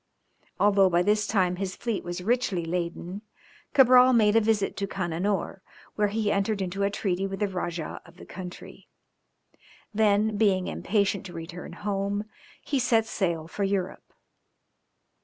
Although by this time his fleet was richly laden, Cabral made a visit to Cananore, where he entered into a treaty with the Rajah of the country; then, being impatient to return home, he set sail for Europe.